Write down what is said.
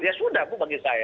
ya sudah bu bagi saya